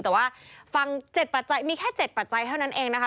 แต่ว่าฟัง๗ปัจจัยมีแค่๗ปัจจัยเท่านั้นเองนะคะ